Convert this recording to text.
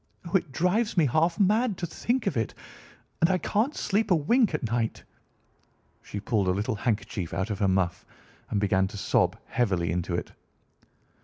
Oh, it drives me half mad to think of it, and I can't sleep a wink at night." She pulled a little handkerchief out of her muff and began to sob heavily into it.